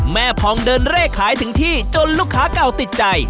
พองเดินเร่ขายถึงที่จนลูกค้าเก่าติดใจ